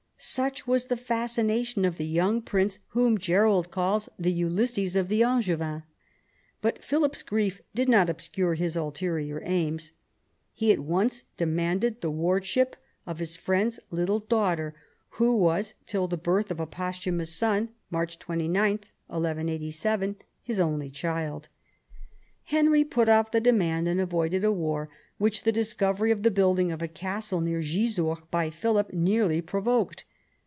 Such was the fascination of the young prince whom Gerald calls the Ulysses of the Angevins : but Philip's grief did not obscure his ulterior aims. He at once demanded the wardship of his friend's little daughter, who was, till the birth of a posthumous son, March 2 9, 1187, his only child. Henry put off the 40 PHILIP AUGUSTUS chap. demand and avoided a war, which the discovery of the building of a castle near Gisors by Philip nearly pro voked.